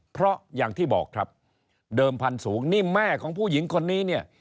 เพราะอย่างที่บอกครับเดิมพันธุ์สูงนี่แม่ของผู้หญิงคนนี้เนี่ย